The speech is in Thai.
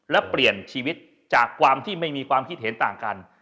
และเปลี่ยนชีวิตจากความที่ไม่มีความคิดเห็นต่างกัน